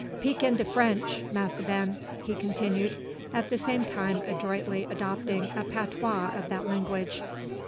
'Peak in de French, Massa Ben," he continued, at the same time adroitly adopting a patois of that language.